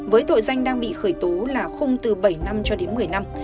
với tội danh đang bị khởi tố là khung từ bảy năm cho đến một mươi năm